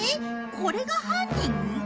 これが犯人？